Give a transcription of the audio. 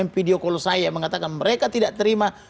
video call saya mengatakan mereka tidak terima